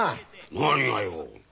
何がよ。